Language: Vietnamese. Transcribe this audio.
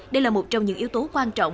đây là một trong những yếu tố quan trọng